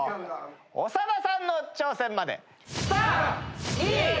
長田さんの挑戦まで。